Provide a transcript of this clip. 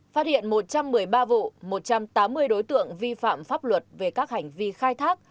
phát hiện một trăm một mươi ba vụ một trăm tám mươi đối tượng vi phạm pháp luật về các hành vi khai thác